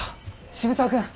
渋沢君！